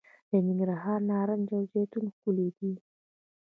د ننګرهار نارنج او زیتون ښکلي دي.